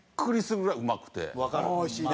おいしいね。